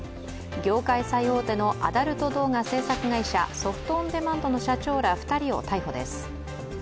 業界最大手のアダルト動画制作会社ソフト・オン・デマンドの社長ら２人を逮捕です。